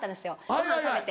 ご飯食べて。